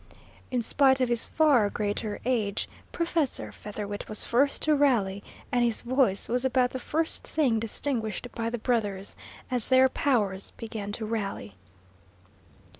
In spite of his far greater age, Professor Featherwit was first to rally, and his voice was about the first thing distinguished by the brothers, as their powers began to rally.